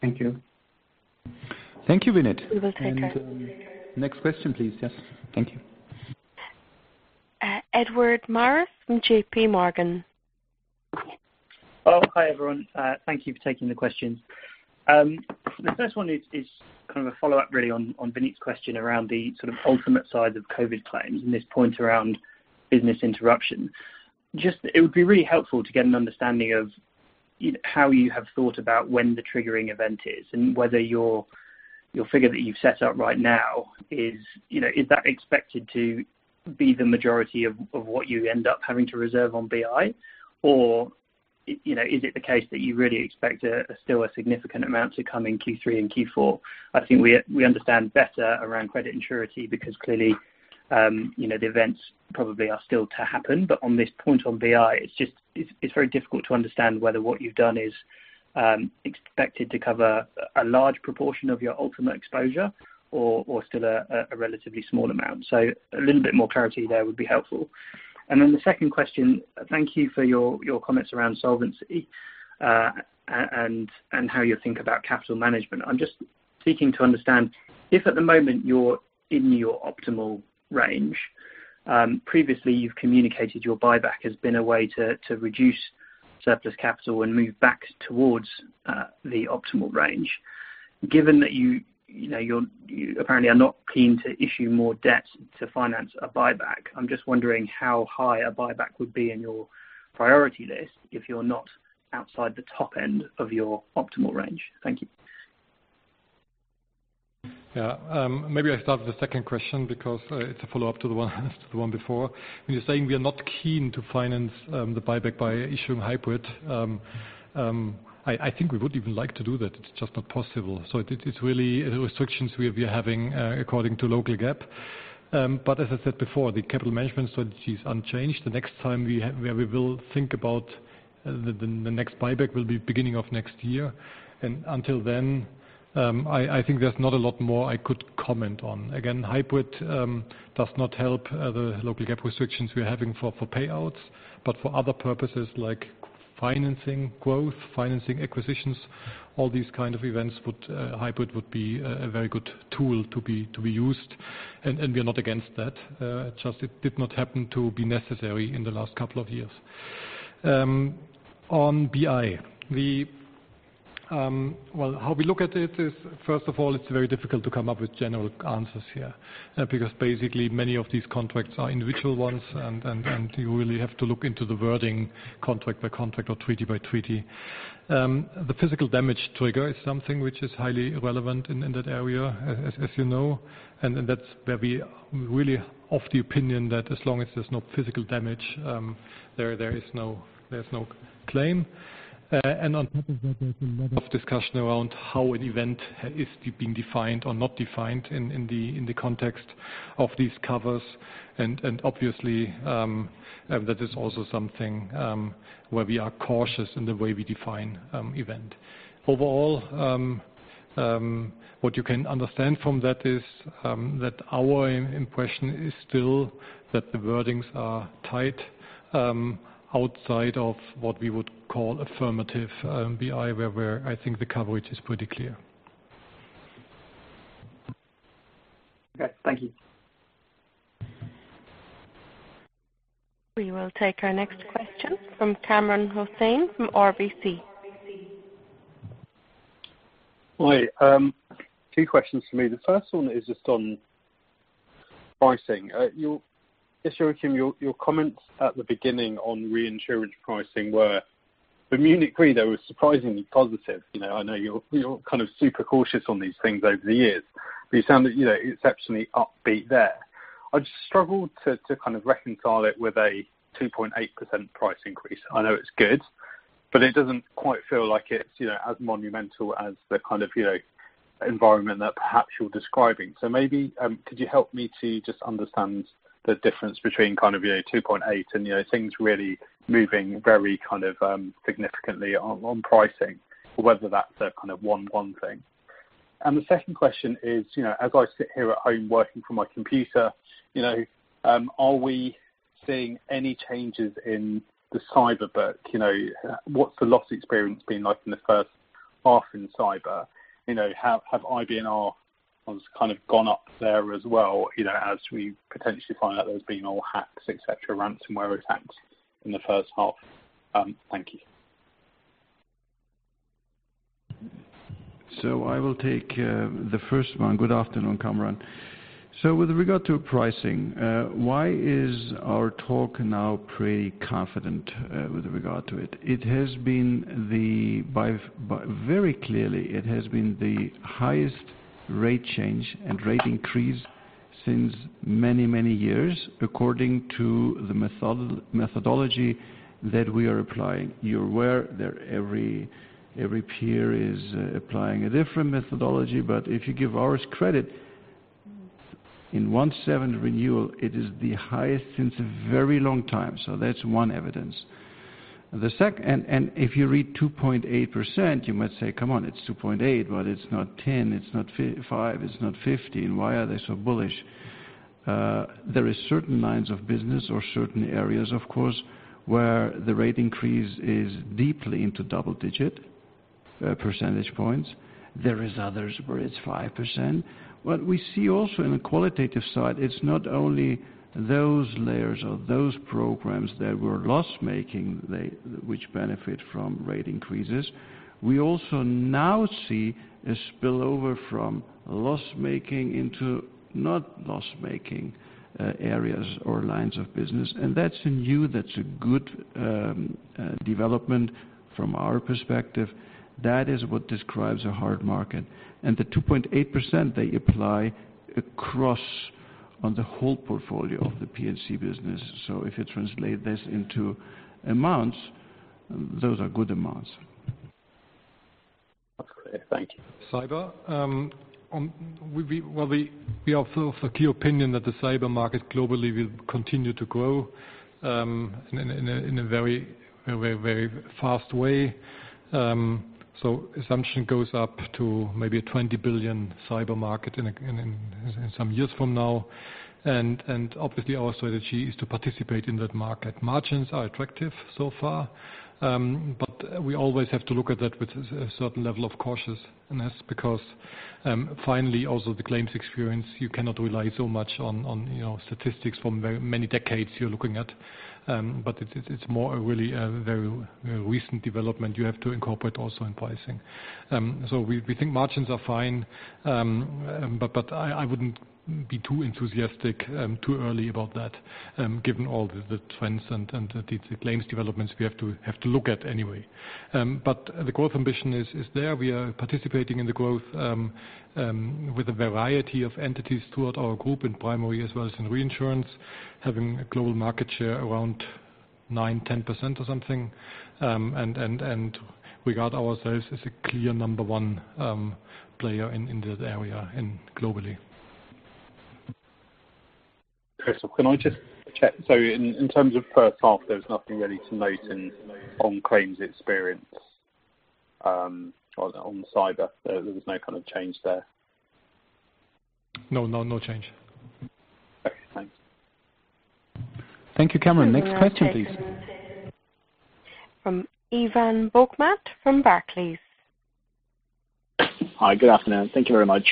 Thank you. Thank you, Vinit. We will take the next. Next question, please. Yes, thank you. Edward Morris from JPMorgan. Oh, hi, everyone. Thank you for taking the questions. The first one is kind of a follow-up, really, on Vinit's question around the sort of ultimate size of COVID claims and this point around business interruption. Just, it would be really helpful to get an understanding of how you have thought about when the triggering event is, and whether your figure that you've set out right now is that expected to be the majority of what you end up having to reserve on BI? Is it the case that you really expect still a significant amount to come in Q3 and Q4? I think we understand better around credit and surety because clearly, the events probably are still to happen. On this point on BI, it's very difficult to understand whether what you've done is expected to cover a large proportion of your ultimate exposure or still a relatively small amount. A little bit more clarity there would be helpful. Then the second question, thank you for your comments around solvency, and how you think about capital management. I'm just seeking to understand if at the moment you're in your optimal range. Previously, you've communicated your buyback has been a way to reduce surplus capital and move back towards the optimal range. Given that you apparently are not keen to issue more debt to finance a buyback, I'm just wondering how high a buyback would be in your priority list if you're not outside the top end of your optimal range. Thank you. Yeah. When you're saying we are not keen to finance the buyback by issuing hybrid. I think we would even like to do that. It's just not possible. It's really restrictions we are having according to local GAAP. As I said before, the capital management strategy is unchanged. The next time where we will think about the next buyback will be beginning of next year. Until then, I think there's not a lot more I could comment on. Again, hybrid does not help the local GAAP restrictions we are having for payouts. For other purposes, like financing growth, financing acquisitions, all these kind of events, hybrid would be a very good tool to be used, and we are not against that. Just it did not happen to be necessary in the last couple of years. On BI, how we look at it is, first of all, it's very difficult to come up with general answers here because basically many of these contracts are individual ones, and you really have to look into the wording contract by contract or treaty by treaty. The physical damage trigger is something which is highly relevant in that area, as you know, and that's where we are really of the opinion that as long as there's no physical damage, there is no claim. On top of that, there's a lot of discussion around how an event is being defined or not defined in the context of these covers. Obviously, that is also something where we are cautious in the way we define event. Overall, what you can understand from that is that our impression is still that the wordings are tight, outside of what we would call affirmative BI, where I think the coverage is pretty clear. Okay. Thank you. We will take our next question from Kamran Hossain from RBC. Hi. Two questions from me. The first one is just on pricing. Joachim, your comments at the beginning on reinsurance pricing were, for Munich Re, they were surprisingly positive. I know you're super cautious on these things over the years, but you sound exceptionally upbeat there. I just struggled to reconcile it with a 2.8% price increase. I know it's good, but it doesn't quite feel like it's as monumental as the kind of environment that perhaps you're describing. Maybe could you help me to just understand the difference between 2.8% and things really moving very significantly on pricing or whether that's a one thing. The second question is, as I sit here at home working from my computer, are we seeing any changes in the cyber book? What's the loss experience been like in the first half in cyber? Have IBNR kind of gone up there as well, as we potentially find out there's been more hacks, et cetera, ransomware attacks in the first half? Thank you. I will take the first one. Good afternoon, Kamran. With regard to pricing, why is our talk now pretty confident with regard to it? Very clearly, it has been the highest rate change and rate increase since many years according to the methodology that we are applying. You are aware that every peer is applying a different methodology, but if you give ours credit, in 1/7 renewal, it is the highest since a very long time. That is one evidence. If you read 2.8%, you might say, "Come on, it is 2.8%, but it is not 10%, it is not 5%, it is not 15%. Why are they so bullish?" There is certain lines of business or certain areas, of course, where the rate increase is deeply into double-digit percentage points. There is others where it is 5%. What we see also in the qualitative side, it is not only those layers or those programs that were loss-making, which benefit from rate increases. We also now see a spillover from loss-making into not loss-making areas or lines of business, that's a good development from our perspective. That is what describes a hard market. The 2.8%, they apply across on the whole portfolio of the P&C business. If you translate this into amounts, those are good amounts. That's clear. Thank you. Cyber. We are of a clear opinion that the cyber market globally will continue to grow in a very fast way. Assumption goes up to maybe a 20 billion cyber market in some years from now. Obviously, our strategy is to participate in that market. Margins are attractive so far. We always have to look at that with a certain level of cautiousness because, finally, also the claims experience, you cannot rely so much on statistics from very many decades you're looking at. It's more a really very recent development you have to incorporate also in pricing. We think margins are fine. I wouldn't be too enthusiastic too early about that, given all the trends and the claims developments we have to look at anyway. The growth ambition is there. We are participating in the growth with a variety of entities throughout our group, in primary as well as in reinsurance, having a global market share around 9%, 10% or something, and regard ourselves as a clear number one player in that area and globally. Christoph, can I just check? In terms of first half, there was nothing really to note on claims experience, on cyber. There was no change there? No change. Okay, thanks. Thank you, Kamran. Next question, please. From Ivan Bokhmat from Barclays. Hi, good afternoon. Thank you very much.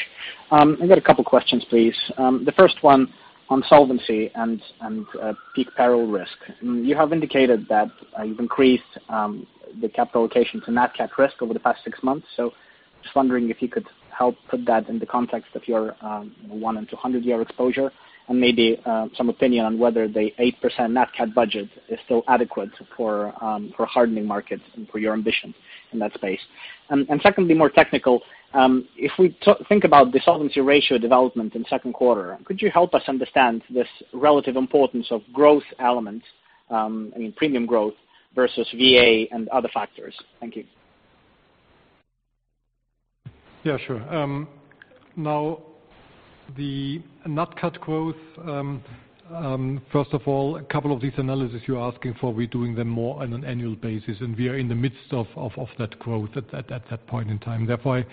I got a couple questions, please. The first one on solvency and peak peril risk. You have indicated that you've increased the capital allocation to nat cat risk over the past six months. Just wondering if you could help put that in the context of your one-in-200-year exposure and maybe some opinion on whether the 8% nat cat budget is still adequate for hardening markets and for your ambition in that space. Secondly, more technical, if we think about the solvency ratio development in second quarter, could you help us understand this relative importance of growth elements, premium growth versus VA and other factors? Thank you. Yeah, sure. The nat cat growth, first of all, a couple of these analysis you're asking for, we're doing them more on an annual basis, and we are in the midst of that growth at that point in time. I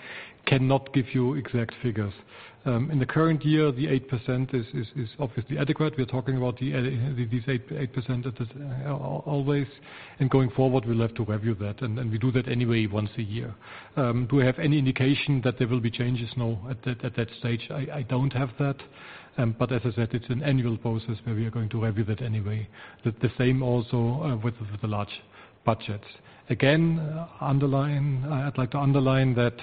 cannot give you exact figures. In the current year, the 8% is obviously adequate. We're talking about these 8% always, and going forward, we'll have to review that, and we do that anyway once a year. Do we have any indication that there will be changes? No. At that stage, I don't have that. As I said, it's an annual process where we are going to review that anyway. The same also with the large budget. Again, I'd like to underline that.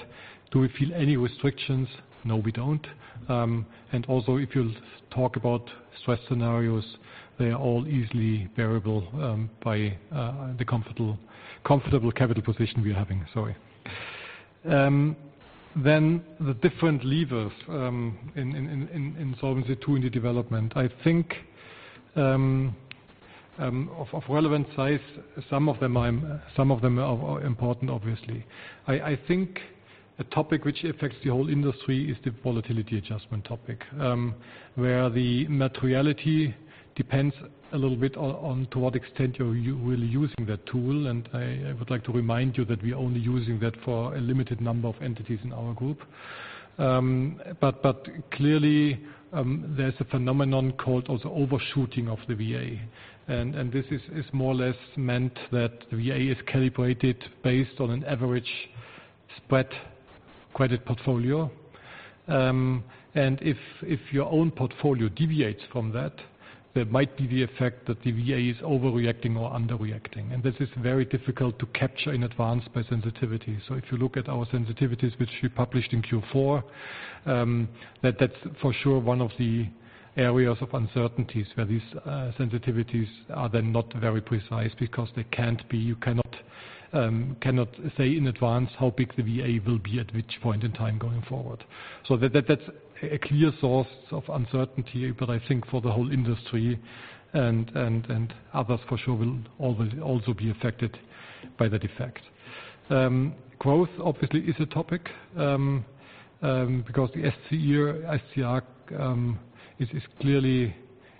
Do we feel any restrictions? No, we don't. Also, if you talk about stress scenarios, they are all easily bearable by the comfortable capital position we are having. Sorry. The different levers in Solvency II in the development. I think, of relevant size, some of them are important, obviously. I think a topic which affects the whole industry is the volatility adjustment topic, where the materiality depends a little bit on to what extent you're really using that tool. I would like to remind you that we are only using that for a limited number of entities in our group. Clearly, there's a phenomenon called overshooting of the VA, and this is more or less meant that the VA is calibrated based on an average spread credit portfolio. If your own portfolio deviates from that, there might be the effect that the VA is overreacting or underreacting, and this is very difficult to capture in advance by sensitivity. If you look at our sensitivities, which we published in Q4, that's for sure one of the areas of uncertainties where these sensitivities are then not very precise because they can't be. You cannot say in advance how big the VA will be at which point in time going forward. That's a clear source of uncertainty. I think for the whole industry and others for sure, will also be affected by that effect. Growth, obviously, is a topic because the SCR is clearly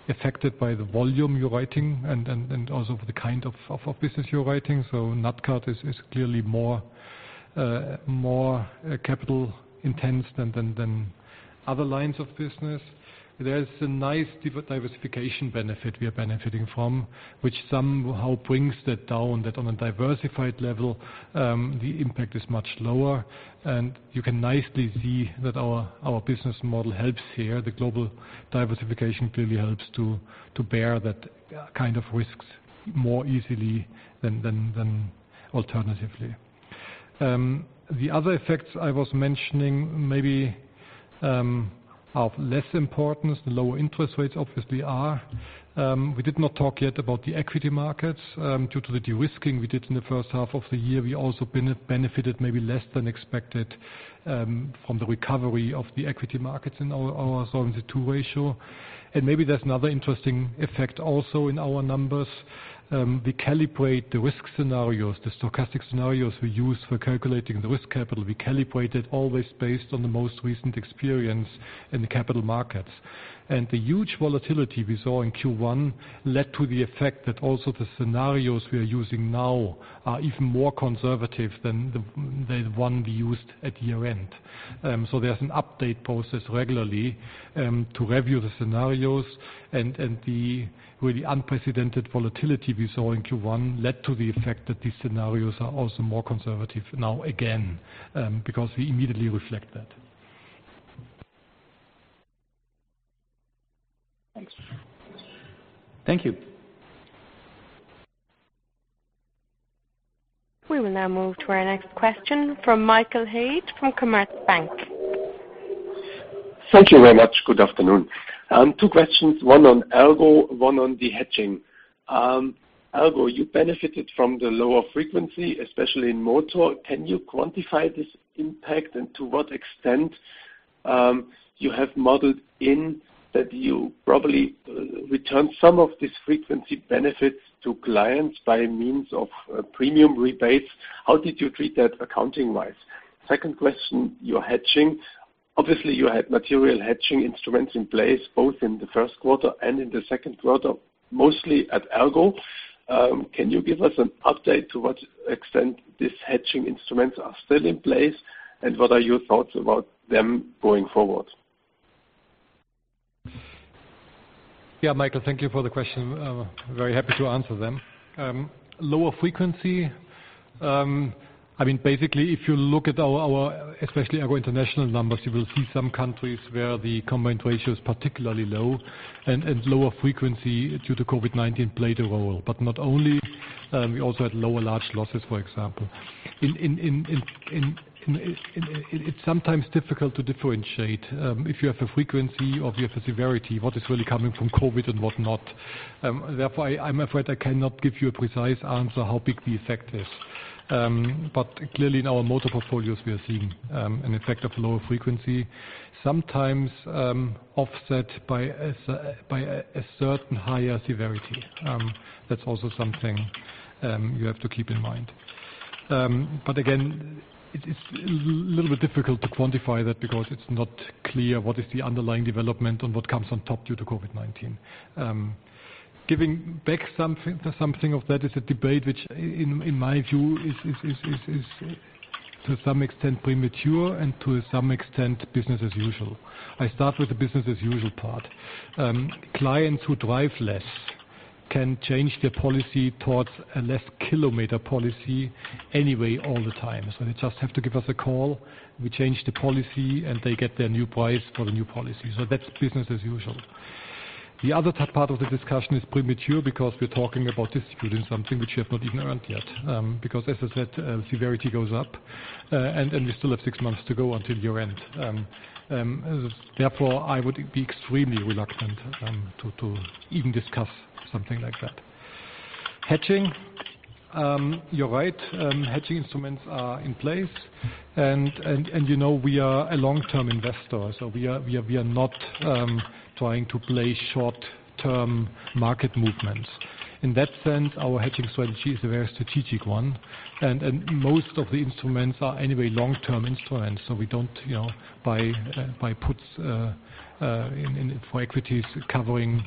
affected by the volume you're writing and also for the kind of business you're writing. nat cat is clearly more capital intense than other lines of business. There's a nice diversification benefit we are benefiting from, which somehow brings that down. That on a diversified level, the impact is much lower. You can nicely see that our business model helps here. The global diversification clearly helps to bear that kind of risks more easily than alternatively. The other effects I was mentioning maybe are of less importance. The lower interest rates obviously are. We did not talk yet about the equity markets. Due to the de-risking we did in the first half of the year, we also benefited maybe less than expected from the recovery of the equity markets in our Solvency II ratio. Maybe there's another interesting effect also in our numbers. We calibrate the risk scenarios, the stochastic scenarios we use for calculating the risk capital. We calibrate it always based on the most recent experience in the capital markets. The huge volatility we saw in Q1 led to the effect that also the scenarios we are using now are even more conservative than the one we used at year-end. There's an update process regularly to review the scenarios. The really unprecedented volatility we saw in Q1 led to the effect that these scenarios are also more conservative now, again, because we immediately reflect that. Thanks. Thank you. We will now move to our next question from Michael Haid, from Commerzbank. Thank you very much. Good afternoon. Two questions. One on ERGO, one on the hedging. ERGO, you benefited from the lower frequency, especially in motor. Can you quantify this impact and to what extent you have modeled in that you probably return some of these frequency benefits to clients by means of premium rebates. How did you treat that accounting wise? Second question, your hedging. Obviously, you had material hedging instruments in place both in the first quarter and in the second quarter, mostly at ERGO. Can you give us an update to what extent these hedging instruments are still in place, and what are your thoughts about them going forward? Yeah, Michael, thank you for the question. Very happy to answer them. Lower frequency. Basically, if you look at our, especially our international numbers, you will see some countries where the combined ratio is particularly low, and lower frequency due to COVID-19 played a role. Not only, we also had lower large losses, for example. It's sometimes difficult to differentiate, if you have a frequency or if you have a severity, what is really coming from COVID and what not. Therefore, I'm afraid I cannot give you a precise answer how big the effect is. Clearly, in our motor portfolios, we are seeing an effect of lower frequency. Sometimes, offset by a certain higher severity. That's also something you have to keep in mind. Again, it is a little bit difficult to quantify that because it's not clear what is the underlying development and what comes on top due to COVID-19. Giving back something of that is a debate which, in my view, is to some extent premature and to some extent business as usual. I start with the business as usual part. Clients who drive less can change their policy towards a less kilometer policy anyway all the time. They just have to give us a call, we change the policy, and they get their new price for the new policy. That's business as usual. The other part of the discussion is premature because we're talking about distributing something which we have not even earned yet. As I said, severity goes up, and we still have six months to go until year-end. Therefore, I would be extremely reluctant to even discuss something like that. Hedging. You're right, hedging instruments are in place. You know we are a long-term investor, so we are not trying to play short-term market movements. In that sense, our hedging strategy is a very strategic one, and most of the instruments are anyway long-term instruments, so we don't buy puts for equities covering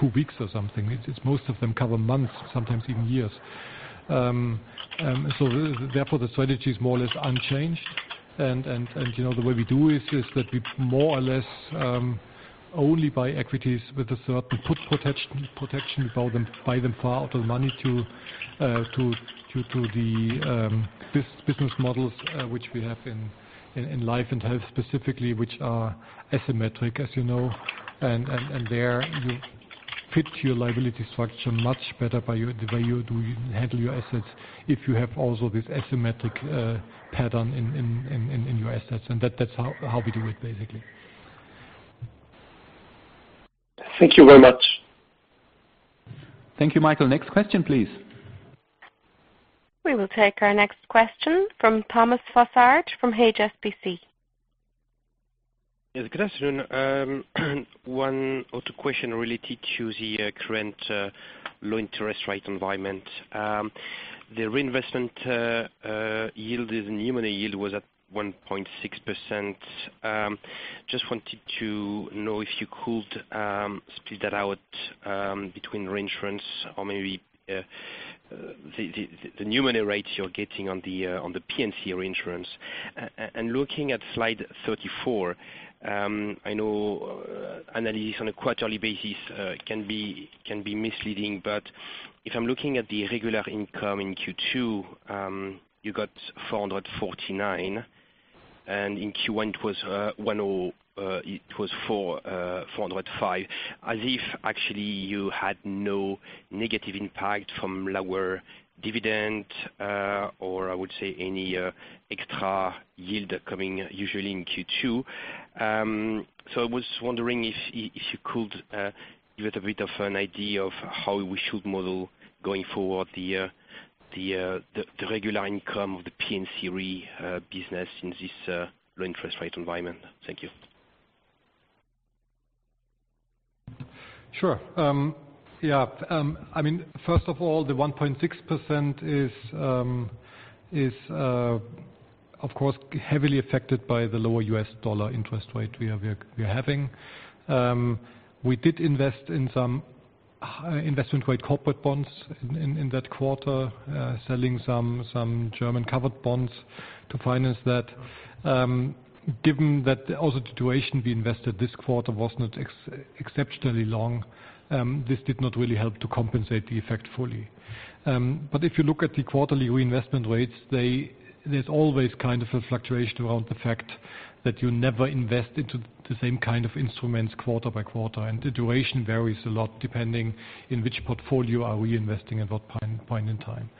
two weeks or something. Most of them cover months, sometimes even years. Therefore, the strategy is more or less unchanged. The way we do is just that we more or less only buy equities with a certain put protection. We buy them far out of the money due to the business models which we have in life and health specifically, which are asymmetric, as you know. There you fit your liability structure much better by the way you handle your assets if you have also this asymmetric pattern in your assets. That's how we do it, basically. Thank you very much. Thank you, Michael. Next question, please. We will take our next question from Thomas Fossard from HSBC. Yes. Good afternoon. One or two questions related to the current low interest rate environment. The reinvestment yield is new money yield was at 1.6%. Just wanted to know if you could split that out between reinsurance or maybe the new money rates you're getting on the P&C reinsurance. Looking at slide 34, I know analysis on a quarterly basis can be misleading, but if I'm looking at the regular income in Q2, you got 449, and in Q1 it was 405. As if actually you had no negative impact from lower dividend, or I would say any extra yield coming usually in Q2. I was wondering if you could give us a bit of an idea of how we should model going forward the regular income of the P&C Re business in this low interest rate environment. Thank you. Sure. Yeah. First of all, the 1.6% is of course heavily affected by the lower U.S. dollar interest rate we are having. We did invest in some investment-grade corporate bonds in that quarter, selling some German covered bonds to finance that. Given that also the duration we invested this quarter was not exceptionally long, this did not really help to compensate the effect fully. If you look at the quarterly reinvestment rates, there's always kind of a fluctuation around the fact that you never invest into the same kind of instruments quarter by quarter, and the duration varies a lot depending in which portfolio are we investing at what point in time.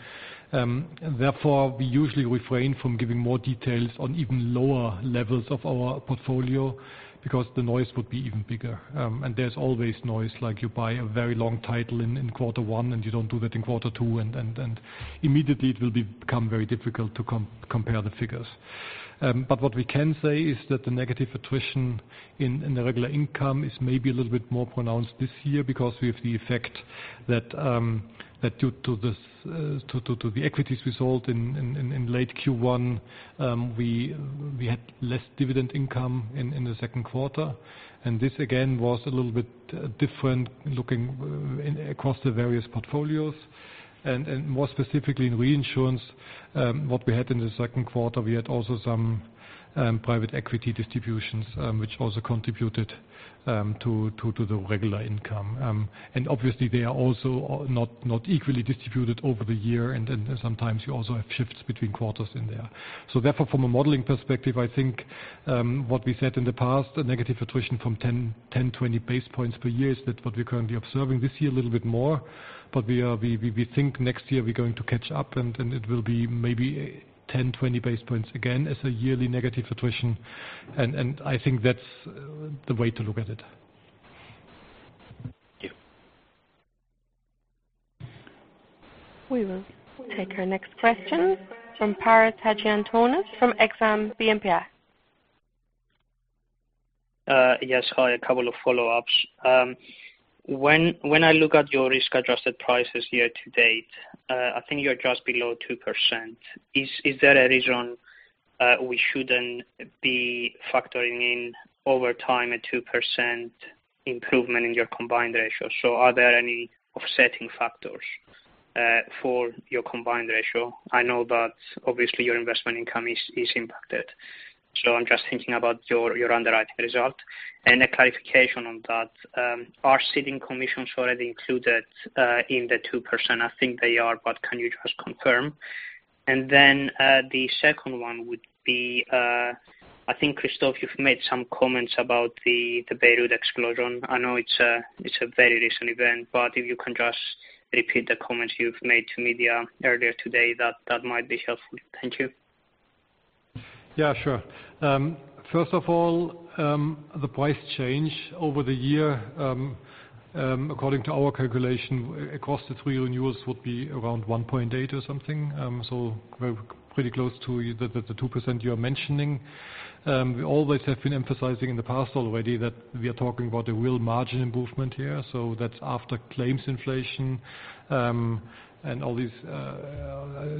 We usually refrain from giving more details on even lower levels of our portfolio because the noise would be even bigger. There's always noise, like you buy a very long title in quarter one, and you don't do that in quarter two, and immediately it will become very difficult to compare the figures. What we can say is that the negative attrition in the regular income is maybe a little bit more pronounced this year because we have the effect that due to the equities result in late Q1, we had less dividend income in the second quarter. This, again, was a little bit different looking across the various portfolios and more specifically in reinsurance. What we had in the second quarter, we had also some private equity distributions, which also contributed to the regular income. Obviously, they are also not equally distributed over the year, and then sometimes you also have shifts between quarters in there. Therefore, from a modeling perspective, I think what we said in the past, a negative attrition from 10, 20 basis points per year, is what we're currently observing. This year, a little bit more, but we think next year we're going to catch up, and it will be maybe 10, 20 basis points again as a yearly negative attrition. I think that's the way to look at it. Thank you. We will take our next question from Paris Hadjiantonis from Exane BNP Paribas. Yes. Hi, a couple of follow-ups. When I look at your risk-adjusted prices year-to-date, I think you're just below 2%. Is there a reason we shouldn't be factoring in over time a 2% improvement in your combined ratio? Are there any offsetting factors for your combined ratio? I know that obviously your investment income is impacted. I'm just thinking about your underwriting result. A clarification on that. Are ceding commissions already included in the 2%? I think they are, but can you just confirm? The second one would be, I think, Christoph, you've made some comments about the Beirut explosion. I know it's a very recent event, but if you can just repeat the comments you've made to media earlier today, that might be helpful. Thank you. Yeah, sure. First of all, the price change over the year, according to our calculation, across the three renewals would be around 1.8 or something. We're pretty close to the 2% you're mentioning. We always have been emphasizing in the past already that we are talking about a real margin improvement here. That's after claims inflation, and all these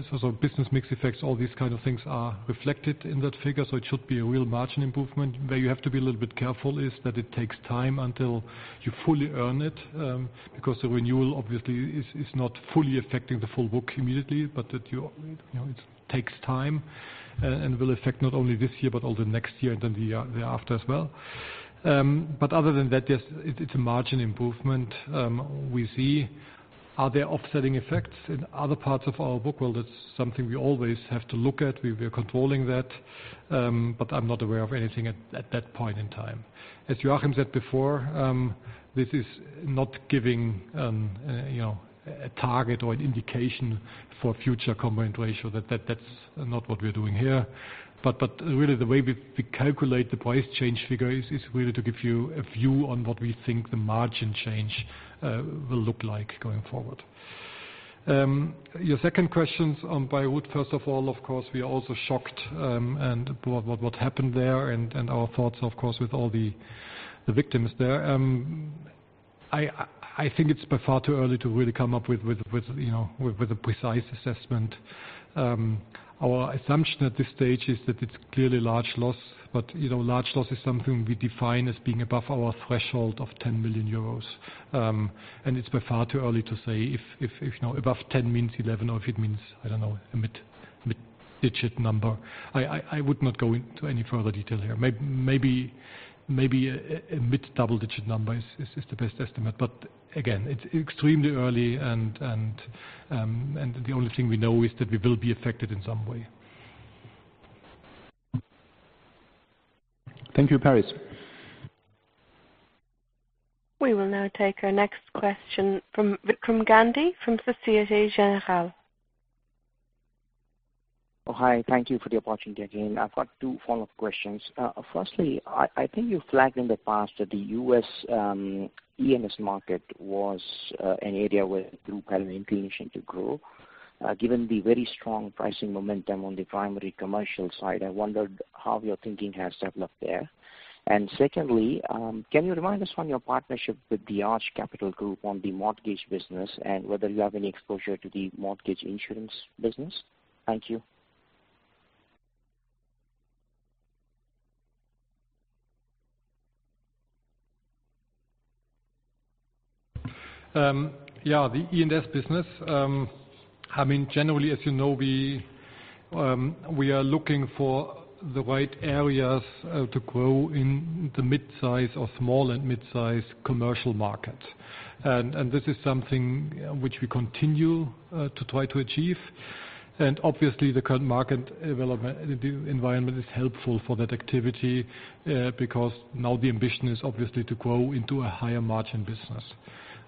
sorts of business mix effects, all these kind of things are reflected in that figure. It should be a real margin improvement. Where you have to be a little bit careful is that it takes time until you fully earn it, because the renewal obviously is not fully affecting the full book immediately, but that it takes time. Will affect not only this year, but all the next year, and then the year after as well. Other than that, yes, it's a margin improvement. We see, are there offsetting effects in other parts of our book? Well, that's something we always have to look at. We are controlling that. I'm not aware of anything at that point in time. As Joachim said before, this is not giving a target or an indication for future combined ratio. That's not what we're doing here. Really, the way we calculate the price change figure is really to give you a view on what we think the margin change will look like going forward. Your second question on Beirut, first of all, of course, we are also shocked and what happened there and our thoughts, of course, with all the victims there. I think it's by far too early to really come up with a precise assessment. Our assumption at this stage is that it's clearly large loss, but large loss is something we define as being above our threshold of 10 million euros. It's by far too early to say if above 10 means 11 or if it means, I don't know, a mid-digit number. I would not go into any further detail here. Maybe a mid double-digit number is the best estimate. Again, it's extremely early and the only thing we know is that we will be affected in some way. Thank you, Paris. We will now take our next question from Vikram Gandhi from Societe Generale. Oh, hi. Thank you for the opportunity again. I've got two follow-up questions. Firstly, I think you flagged in the past that the U.S. E&S market was an area where Group had an inclination to grow. Given the very strong pricing momentum on the primary commercial side, I wondered how your thinking has developed there. Secondly, can you remind us on your partnership with Arch Capital Group on the mortgage business and whether you have any exposure to the mortgage insurance business? Thank you. Yeah. The E&S business. Generally, as you know, we are looking for the right areas to grow in the midsize or small and midsize commercial market. This is something which we continue to try to achieve. Obviously, the current market environment is helpful for that activity, because now the ambition is obviously to grow into a higher margin business.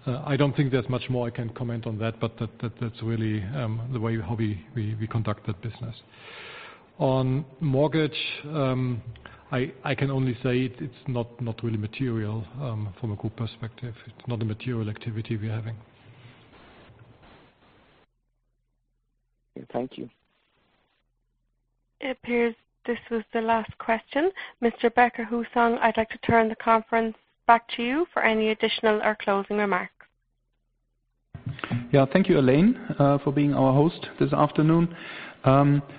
I don't think there's much more I can comment on that, but that's really how we conduct that business. On mortgage, I can only say it's not really material from a group perspective. It's not a material activity we're having. Thank you. It appears this was the last question. Mr. Becker-Hussong, I'd like to turn the conference back to you for any additional or closing remarks. Yeah. Thank you, Elaine, for being our host this afternoon.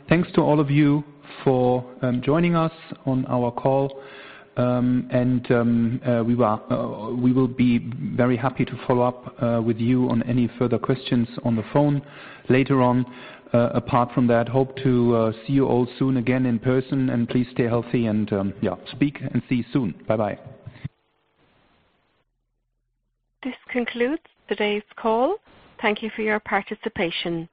Thanks to all of you for joining us on our call. We will be very happy to follow up with you on any further questions on the phone later on. Apart from that, hope to see you all soon again in person, and please stay healthy and yeah, speak and see you soon. Bye-bye. This concludes today's call. Thank you for your participation.